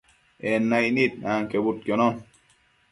En naicnid anquebudquionon